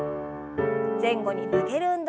前後に曲げる運動です。